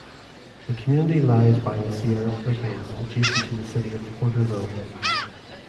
The community lies by the Sierra Foothills adjacent to the city of Porterville.